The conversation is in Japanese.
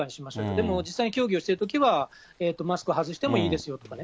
でも実際に競技をしてるときは、マスクは外してもいいですよとかね。